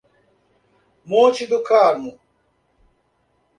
Monte do Carmo